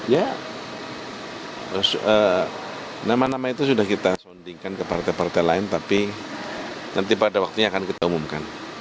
ya nama nama itu sudah kita sondingkan ke partai partai lain tapi nanti pada waktunya akan kita umumkan